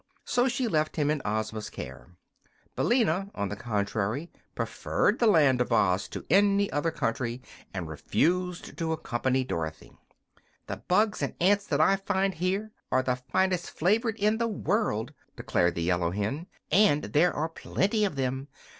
So she left him in Ozma's care. Billina, on the contrary, preferred the Land of Oz to any other country, and refused to accompany Dorothy. "The bugs and ants that I find here are the finest flavored in the world," declared the yellow hen, "and there are plenty of them.